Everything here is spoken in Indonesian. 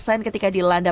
didapatkan exertih karena